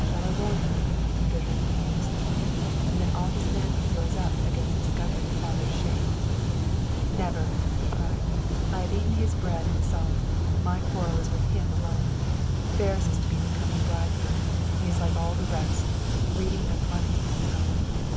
"Shall I warn her?" he bitterly mused. And then all his manhood rose up against discovering a father's shame. "Never!" he cried. "I have eaten his bread and salt. My quarrel is with him alone! Ferris is to be the coming bridegroom. He is like all the rest greedy of money and power.